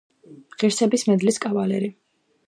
ღირსების მედლის კავალერი.